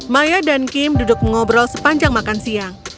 maya dan kim duduk mengobrol sepanjang makan siang